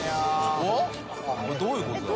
おっ？どういうことだ？